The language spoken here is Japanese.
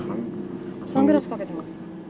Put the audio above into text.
サングラスかけています。